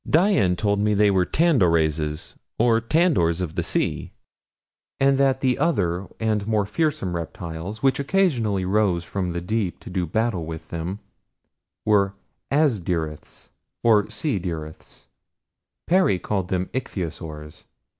Dian told me they were tandorazes, or tandors of the sea, and that the other, and more fearsome reptiles, which occasionally rose from the deep to do battle with them, were azdyryths, or sea dyryths Perry called them Ichthyosaurs.